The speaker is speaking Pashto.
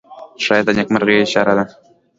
ښایست د نیکمرغۍ اشاره ده